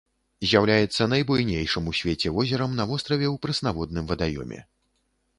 З'яўляецца найбуйнейшым у свеце возерам на востраве ў прэснаводным вадаёме.